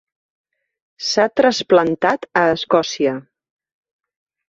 S'ha trasplantat a Escòcia.